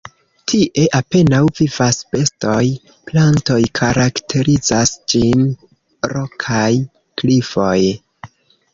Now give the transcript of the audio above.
Tie apenaŭ vivas bestoj, plantoj, karakterizas ĝin rokaj klifoj.